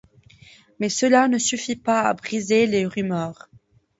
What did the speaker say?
Mais cela ne suffit pas à briser les rumeurs.